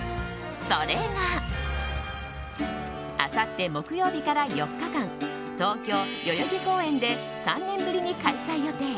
それがあさって木曜日から４日間東京・代々木公園で３年ぶりに開催予定